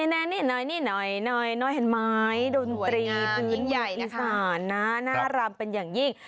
นี่น้อยนี่น้อยน้อยเห็นไหมดนตรีภืนบุญพิสานนะน่ารัมเป็นอย่างยิ่ง